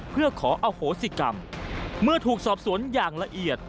เพื่อขออโหสิกรรมเมื่อถูกสอบสวนอย่างละเอียด